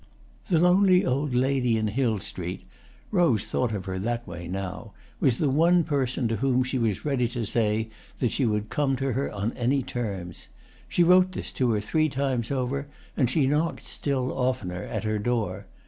The lonely old lady in Hill Street—Rose thought of her that way now—was the one person to whom she was ready to say that she would come to her on any terms. She wrote this to her three times over, and she knocked still oftener at her door.